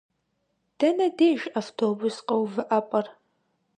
Дэнэ деж автобус къэувыӏэпӏэр?